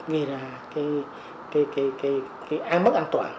gây ra án mất an toàn